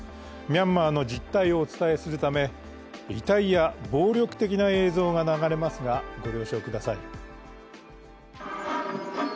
ミャンマーの実態をお伝えするため遺体や暴力的な映像が流れますが、ご了承ください。